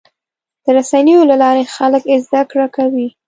د رسنیو له لارې خلک زدهکړه کوي.